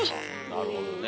なるほどね。